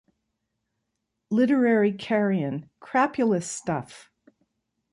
Literary carrion... Crapulous stuff.